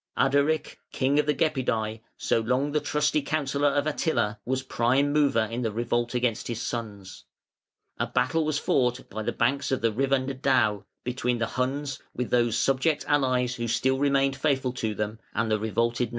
Ardaric, king of the Gepidæ, so long the trusty counsellor of Attila, was prime mover in the revolt against his sons. A battle was fought by the banks of the river Nedao between the Huns (with those subject allies who still remained faithful to them) and the revolted nations.